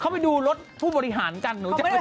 เขาไปดูรถผู้บริหารจันทร์หนูจำได้ไหม